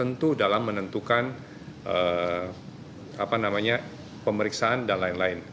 tentu dalam menentukan apa namanya pemeriksaan dan lain lain